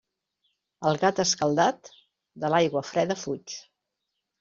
El gat escaldat, de l'aigua freda fuig.